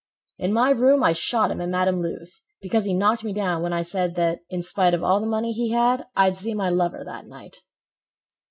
In my room I shot him, at Madam Lou's, Because he knocked me down when I said That, in spite of all the money he had, I'd see my lover that night."